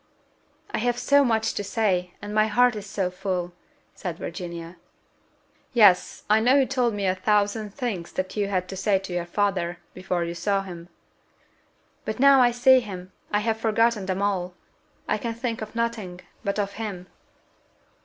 "I have so much to say, and my heart is so full!" said Virginia. "Yes, I know you told me of a thousand things that you had to say to your father, before you saw him." "But now I see him, I have forgotten them all. I can think of nothing but of him."